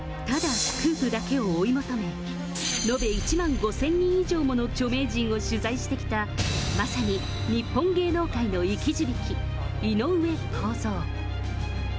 ただスクープだけを追い求め、延べ１万５０００人以上もの著名人を取材してきた、まさに日本芸能界の生き字引、井上公造。